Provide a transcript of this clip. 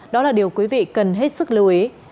đó là điều quý vị cần hết sức lưu ý